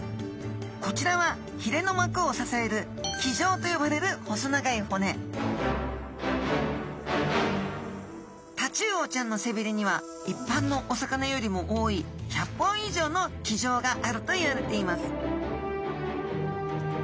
こちらはひれの膜を支える鰭条と呼ばれる細長い骨タチウオちゃんの背びれにはいっぱんのお魚よりも多い１００本以上の鰭条があるといわれています